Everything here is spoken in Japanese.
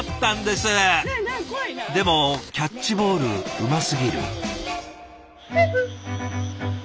でもキャッチボールうますぎる。